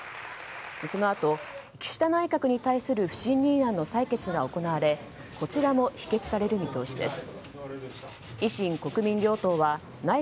そのあと、岸田内閣に対する不信任案の採決が行われこちらも否決される見通しです。